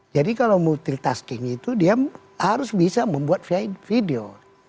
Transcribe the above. jadi kalau multitasking itu dia harus bisa membuat video